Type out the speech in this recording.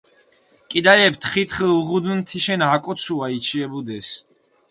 კიდალეფი თხითხუ უღუდუნ თიშენ აკოცუა, იჩიებუდეს.